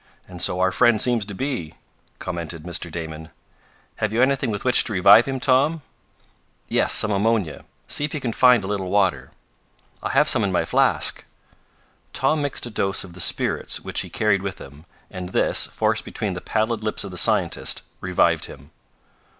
And so our friend seems to be," commented Mr. Damon. "Have you anything with which to revive him, Tom?" "Yes. Some ammonia. See if you can find a little water." "I have some in my flask." Tom mixed a dose of the spirits which he carried with him, and this, forced between the pallid lips of the scientist, revived him.